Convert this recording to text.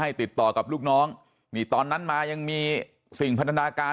ติดต่อกับลูกน้องนี่ตอนนั้นมายังมีสิ่งพันธนาการ